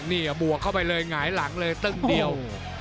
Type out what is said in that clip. นี่บวกเข้าไปเลยหงายหลังเลยตึ้งเดียว